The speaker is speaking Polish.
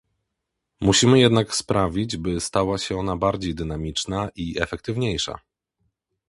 Musimy jednak sprawić, by stała się ona bardziej dynamiczna i efektywniejsza